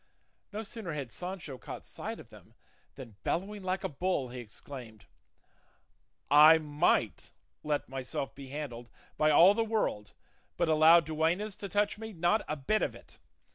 No sooner had Sancho caught sight of them than, bellowing like a bull, he exclaimed, "I might let myself be handled by all the world; but allow duennas to touch me not a bit of it!